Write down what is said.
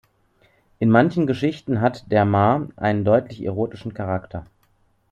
In manchen Geschichten hat der Mahr einen deutlich erotischen Charakter.